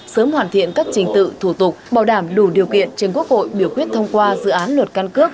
sớm hoàn thiện các trình tự thủ tục bảo đảm đủ điều kiện trên quốc hội biểu quyết thông qua dự án luật căn cước